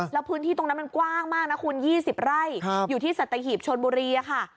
แล้วพื้นที่ตรงนั้นมันกว้างมากนะคุณ๒๐ไร่อยู่ที่สัตหีบชนบุรีค่ะ